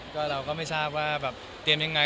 ก็เราก็ไม่ทราบว่าแบบเตรียมยังไง